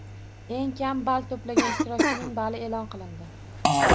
Eng kam ball to‘plagan ishtirokchining bali e’lon qilindi